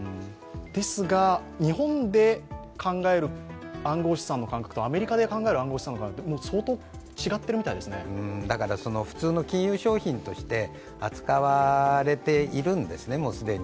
ですが日本で考える暗号資産の感覚とアメリカで考える暗号資産の感覚は普通の金融商品として、扱われているんですね、もう既に。